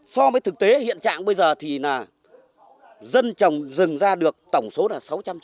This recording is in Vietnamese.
so với thực tế hiện trạng bây giờ thì là dân trồng rừng ra được tổng số là sáu trăm chín mươi một